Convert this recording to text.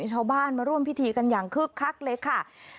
ชาวบ้านมาร่วมพิธีกันอย่างคึกคักเลยค่ะ